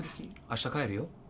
明日帰るよ